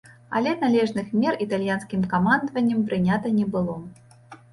Але належных мер італьянскім камандаваннем прынята не было.